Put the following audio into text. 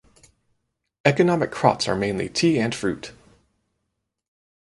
Economic crops are mainly tea and fruit.